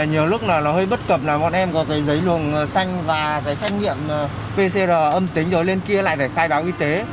nhiều lúc là nó hơi bất cập là bọn em có cái giấy luồng xanh và cái xét nghiệm pcr âm tính rồi lên kia lại phải khai báo y tế